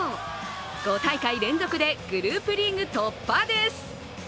５大会連続でグループリーグ突破です。